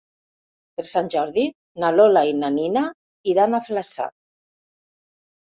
Per Sant Jordi na Lola i na Nina iran a Flaçà.